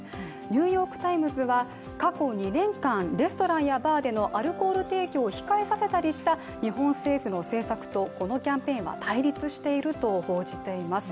「ニューヨーク・タイムズ」は過去２年間、レストランやバーでのアルコール提供を控えさせたりした日本政府の政策とこのキャンペーンは対立していると報じています。